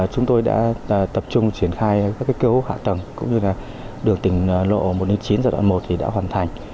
chúng tôi đã tập trung triển khai các cơ hội hạ tầng cũng như là đường tỉnh lộ một chín giai đoạn một thì đã hoàn thành